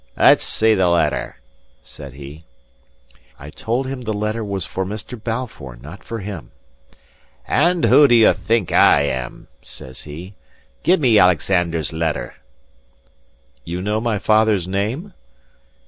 "Let's see the letter," said he. I told him the letter was for Mr. Balfour; not for him. "And who do ye think I am?" says he. "Give me Alexander's letter." "You know my father's name?"